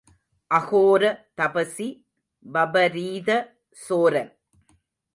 அகோர தபசி வபரீத சோரன்.